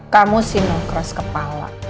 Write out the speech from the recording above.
kamu sinokeras kepala